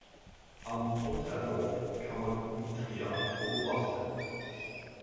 Am Unterlauf kann man Nutria beobachten.